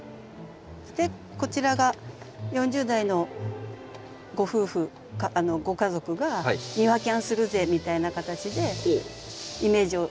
でこちらが４０代のご夫婦ご家族が庭キャンするぜみたいな形でイメージを。